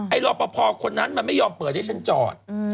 รอปภคนนั้นมันไม่ยอมเปิดให้ฉันจอด